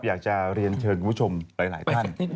อยากจะเรียนเชิญคุณผู้ชมหลายท่าน